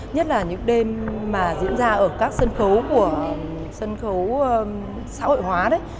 nhất là những đêm mà diễn ra ở các sân khấu của sân khấu xã hội hóa đấy